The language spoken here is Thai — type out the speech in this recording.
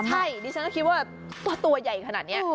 ใช่ดิฉันก็คิดว่าตัวใหญ่ขนาดนี้